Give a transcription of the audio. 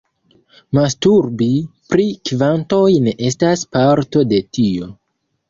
Masturbi pri kvantoj ne estas parto de tio.